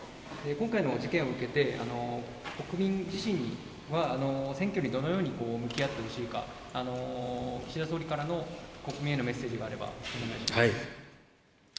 今回の事件を受けて、国民自身は、選挙にどのように向き合ってほしいか、岸田総理からの国民へのメッセージがあれば、お願いします。